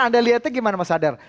anda lihatnya gimana mas hadar